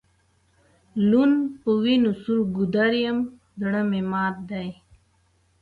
لوند په وینو سور ګودر یم زړه مي مات دی